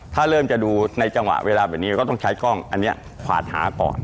ถ้าเริ่มจะดูในจังหวะเวลาแบบนี้ก็ต้องใช้กล้องอันนี้ขวาดหาก่อน